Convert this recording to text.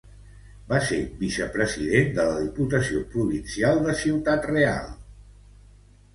Va ser vicepresident de la Diputació Provincial de Ciudad Real.